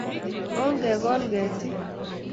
Ongekol ketiik